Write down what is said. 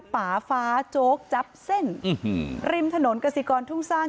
ป่าฟ้าโจ๊กจับเส้นริมถนนกสิกรทุ่งสร้าง